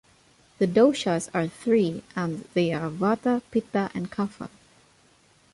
The "doshas" are three and they are Vata, Pitta and Kapha.